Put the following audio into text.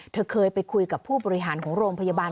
เธอเคยไปคุยกับผู้บริหารของโรงพยาบาล